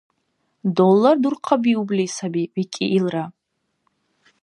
— Доллар дурхъабиубли саби, — викӀи илра.